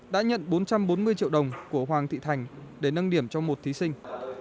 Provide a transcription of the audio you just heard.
đã nhận bốn trăm bốn mươi triệu đồng của hoàng thị thành để nâng điểm cho một thí sinh